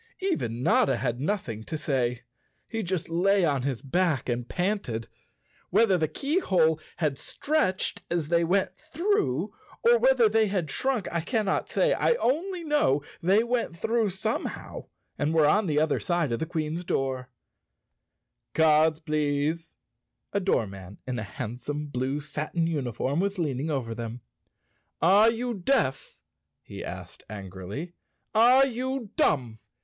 Even Notta had nothing to say. He just lay on his back and panted. Whether the keyhole had stretched as they went through or whether they had shrunk, I cannot say. I only know they went through 77 The Cowardly Lion of Oz _ somehow and were on the other side of the Queen's door. "Cards, please!" A doorman in a handsome blue satin uniform was leaning over them. "Are you deaf ?" he asked angrily. "Are you dumb?"